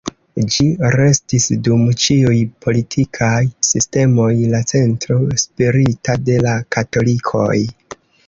Ĝi restis, dum ĉiuj politikaj sistemoj, la centro spirita de la katolikoj.